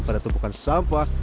pada tumpukan sampah